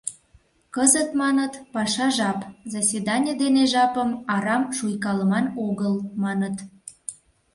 Кызыт, маныт, паша жап, заседане дене жапым арам шуйкалыман огыл, маныт.